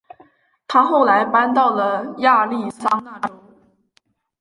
她后来搬到了亚利桑那州。